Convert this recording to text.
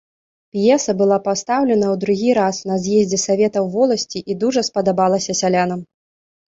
П'еса была пастаўлена ў другі раз на з'ездзе саветаў воласці і дужа спадабалася сялянам.